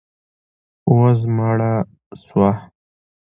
وزمړه سوه.